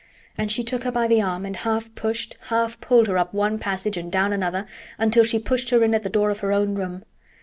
And she took her by the arm and half pushed, half pulled her up one passage and down another until she pushed her in at the door of her own room.